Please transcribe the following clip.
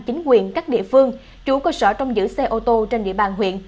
chính quyền các địa phương chủ cơ sở trong giữ xe ô tô trên địa bàn huyện